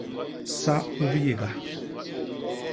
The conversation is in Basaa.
Sa u biyéga.